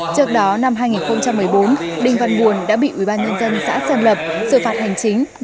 trước đó năm hai nghìn một mươi bốn đinh văn nguồn đã bị ubnd xã sơn lập xử phạt hành chính